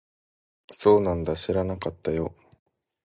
そうなんだ。知らなかったよ。